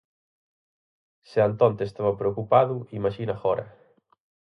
Se antonte estaba preocupado, imaxina agora.